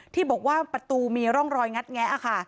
ที่บอกว่าประตูมีร่องรอยงัดแงะค่ะ